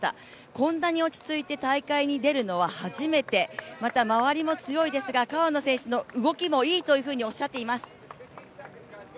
こんなに落ち着いて大会に出るのは初めて、また、周りも強いですが川野選手の動きもいいというふうにおっしゃっています。